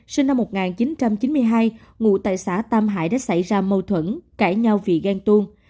sinh năm một nghìn chín trăm chín mươi hai ngụ tại xã tam hải đã xảy ra mâu thuẫn cãi nhau vì ghen tuôn